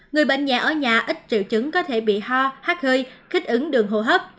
người bệnh nhẹ ở nhà ít triệu chứng có thể bị ho hát hơi kích ứng đường hồ hấp